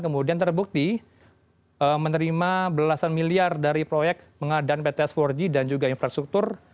kemudian terbukti menerima belasan miliar dari proyek pengadaan pts empat g dan juga infrastruktur